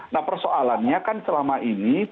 nah persoalannya kan selama ini